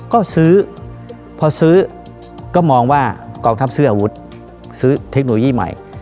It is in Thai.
ก็ซื้อพอซื้อก็มองว่ากองทัพซื้ออาวุธซื้อเทคโนโลยีใหม่